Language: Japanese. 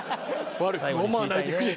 悪く思わないでくれ。